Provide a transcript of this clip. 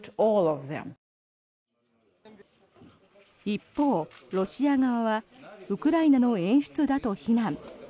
一方、ロシア側はウクライナの演出だと非難。